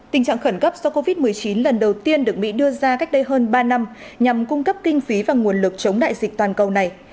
tình trạng khẩn cấp do covid một mươi chín lần đầu tiên được mỹ đưa ra cách đây hơn ba năm nhằm cung cấp kinh phí và nguồn lực chống đại dịch toàn cầu này